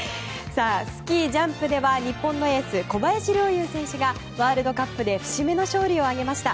スキージャンプでは日本のエース小林陵侑選手がワールドカップで節目の勝利を挙げました。